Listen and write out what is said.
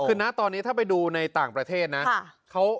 คือนะตอนนี้ถ้าไปดูในต่างประเทศนะ